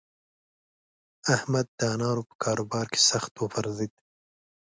احمد د انارو په کاروبار کې سخت وپرځېد.